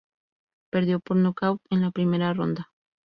Perdió por nocaut en la primera ronda.